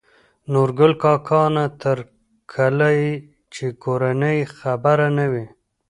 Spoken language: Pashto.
نورګل کاکا : نه تر کله يې چې کورنۍ خبره نه وي